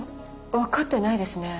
分かってないですね。